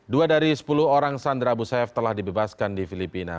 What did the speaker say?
dua dari sepuluh orang sandra abu sayyaf telah dibebaskan di filipina